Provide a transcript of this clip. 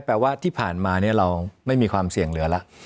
แปลว่าที่ผ่านมาเราไม่มีความเสี่ยงเหลือแล้ว